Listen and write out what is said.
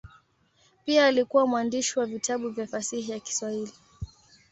Pia alikuwa mwandishi wa vitabu vya fasihi ya Kiswahili.